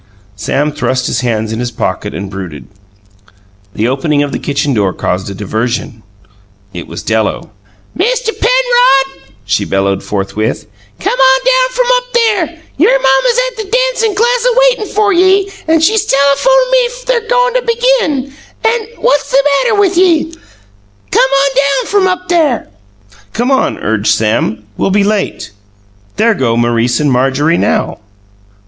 Sam thrust his hands in his pockets and brooded. The opening of the kitchen door caused a diversion. It was Della. "Mister Penrod," she bellowed forthwith, "come ahn down fr'm up there! Y'r mamma's at the dancin' class waitin' fer ye, an' she's telephoned me they're goin' to begin an' what's the matter with ye? Come ahn down fr'm up there!" "Come on!" urged Sam. "We'll be late. There go Maurice and Marjorie now."